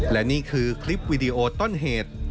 และนี่คือคลิปวิดีโอต้นเหตุ